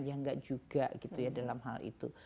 ya enggak juga gitu ya dalam hal itu